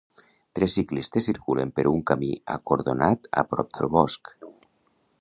Tres ciclistes circulen per un camí acordonat a prop del bosc.